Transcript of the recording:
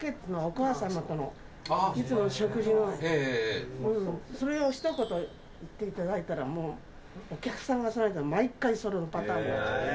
天羽さん：それを、ひと言言っていただいたらお客さんが、そのあと毎回それのパターンになっちゃって。